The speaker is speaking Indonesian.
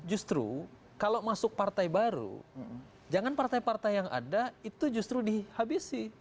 justru kalau masuk partai baru jangan partai partai yang ada itu justru dihabisi